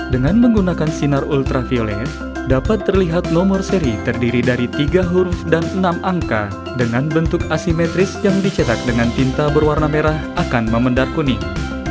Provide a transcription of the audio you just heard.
dengan menggunakan sinar ultraviolet dapat terlihat nomor seri terdiri dari tiga huruf dan enam angka dengan bentuk asimetris yang dicetak dengan tinta berwarna merah akan memendar kuning